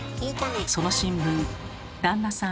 その新聞旦那さん